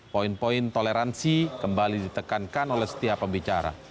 poin poin toleransi kembali ditekankan oleh setiap pembicara